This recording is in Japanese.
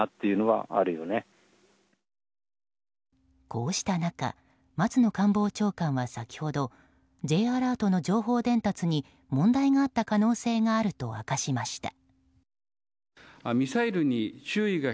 こうした中松野官房長官は先ほどＪアラートの情報伝達に問題があった可能性があると明かしました。